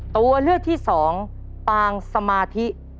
ตัวเลือกที่สองปางสมาธิ